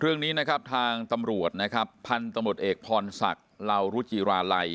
เรื่องนี้นะครับทางตำรวจนะครับพันธุ์ตำรวจเอกพรศักดิ์ลาวรุจิราลัย